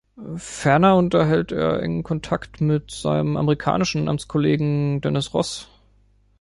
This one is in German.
Ferner unterhält er engen Kontakt mit seinem amerikanischen Amtskollegen Dennis Ross.